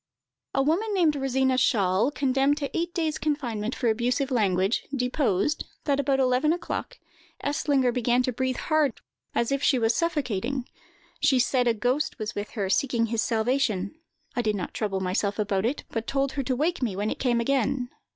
A woman named Rosina Schahl, condemned to eight days' confinement for abusive language, deposed, that about eleven o'clock, Eslinger began to breathe hard as if she was suffocating; she said a ghost was with her, seeking his salvation. "I did not trouble myself about it, but told her to wake me when it came again.